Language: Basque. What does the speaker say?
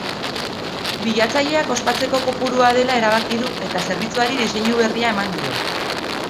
Bilatzaileak ospatzeko kopurua dela erabaki du eta zerbitzuari diseinu berria eman dio.